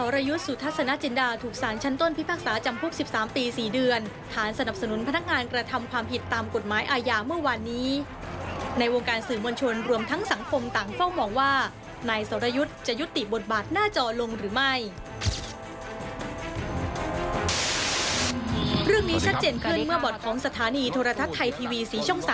เรื่องนี้ชัดเจนขึ้นเมื่อบอตของสถานีโทรธัศน์ไทยทีวีสีช่อง๓